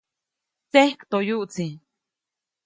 Tsekjtoyuʼtsi.